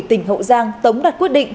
tỉnh hậu giang tống đặt quyết định